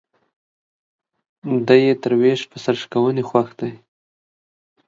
دى يې تر ويش په سر شکوني خوښ دى.